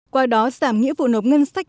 qua đó giảm nghĩa vụ nộp ngân sách